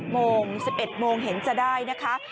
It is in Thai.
โมง๑๑โมงเห็นจะได้นะคะ